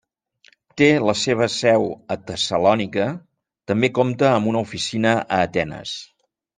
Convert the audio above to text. Té la seva seu a Tessalònica, també compta amb una oficina a Atenes.